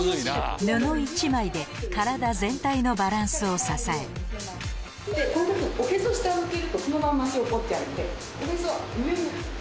布１枚で体全体のバランスを支えでこの時におヘソ下向けるとそのまま足を上げておヘソは上に。